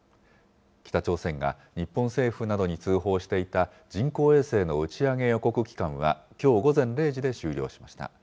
北朝鮮が日本政府などに通報していた人工衛星の打ち上げ予告期間は、きょう午前０時で終了しました。